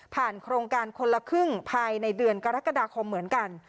โครงการคนละครึ่งภายในเดือนกรกฎาคมเหมือนกัน